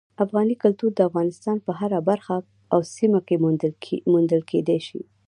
افغاني کلتور د افغانستان په هره برخه او سیمه کې موندل کېدی شي.